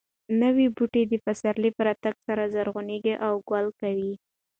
نوي بوټي د پسرلي په راتګ سره زرغونېږي او ګل کوي.